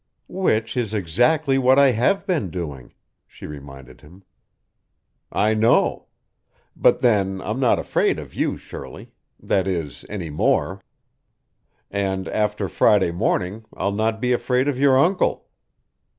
"Which is exactly what I have been doing," she reminded him. "I know. But then, I'm not afraid of you, Shirley that is, any more. And after Friday morning I'll not be afraid of your uncle.